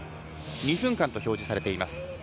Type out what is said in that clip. ２分間と表示されています。